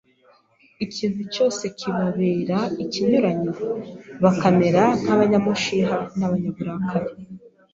Ikintu cyose kibabera ikinyuranyo, bakamera nk’abanyamushiha n’abanyaburakari.